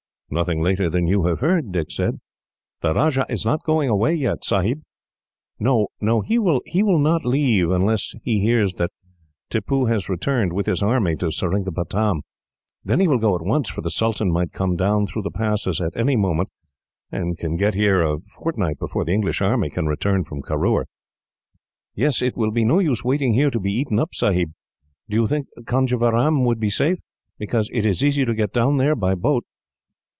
"Nothing later than you have heard," Dick said. "The Rajah is not going away yet, Sahib?" "No; he will not leave unless he hears that Tippoo has returned, with his army, to Seringapatam. Then he will go at once, for the sultan might come down through the passes at any moment, and can get here a fortnight before the English army can return from Caroor." "Yes; it will be no use waiting here to be eaten up, Sahib. Do you think Conjeveram would be safe? Because it is easy to go down there by boat."